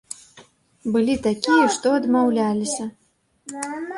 Былі такія, што адмаўляліся.